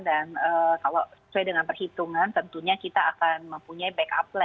dan kalau sesuai dengan perhitungan tentunya kita akan mempunyai backup plan